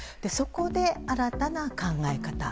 そこで新たな考え方